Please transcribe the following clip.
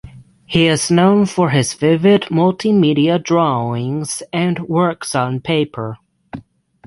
He is known for his vivid multimedia drawings and works on paper.